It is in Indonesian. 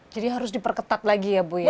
jadi harus diperketat lagi ya bu ya